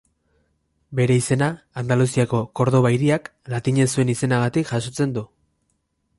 Bere izena, Andaluziako Kordoba hiriak latinez zuen izenagatik jasotzen du.